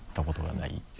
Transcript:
ない。